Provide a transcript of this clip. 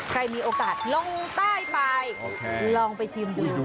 ใครมีโอกาสลงใต้ไปลองไปชิมดู